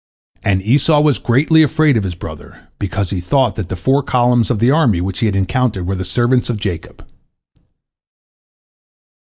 And Esau was greatly afraid of his brother, because he thought that the four columns of the army which he had encountered were the servants of Jacob.